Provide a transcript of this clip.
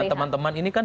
teman teman ini kan